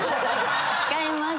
違います。